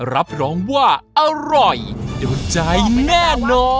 รับรองว่าอร่อยโดนใจแน่นอน